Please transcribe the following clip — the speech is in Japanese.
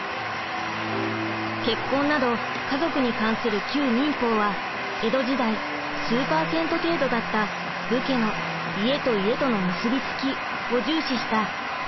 結婚など家族に関する旧民法は江戸時代数パーセント程度だった武家の家と家との結びつきを重視した家制度を確立させるものでした。